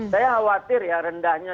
saya khawatir ya rendahnya